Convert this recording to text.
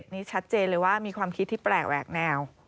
นี่ชัดเจนเลยว่ามีความคิดที่แปลกแหวกแนว